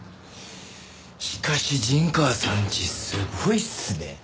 しかし陣川さんちすごいっすね。